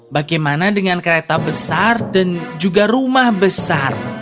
bagaimana dengan kereta besar dan juga rumah besar